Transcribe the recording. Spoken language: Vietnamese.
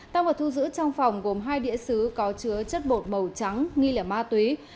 tăng vật thu giữ trong phòng gồm hai đĩa xứ có chứa chất bột màu trắng nghi lẻ ma túy